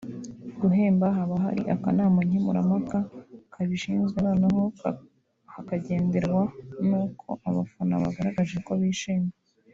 Guhemba haba hari akana nkemurampaka kabishinzwe noneho hakagenderwa n’uko abafana bagaragaje ko bishimye